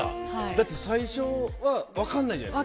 だって最初は分かんないじゃないすか。